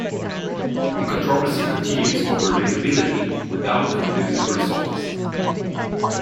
The controversy continues over readability, without conclusive results.